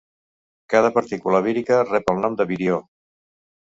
Cada partícula vírica rep el nom de virió.